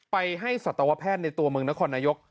ไปให้สัตวแพทย์ในตัวเมืองนครนายก